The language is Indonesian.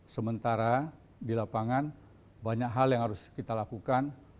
sementara di lapangan banyak hal yang harus kita lakukan